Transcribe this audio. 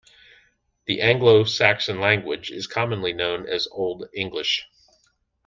The Anglo-Saxon language is commonly known as Old English.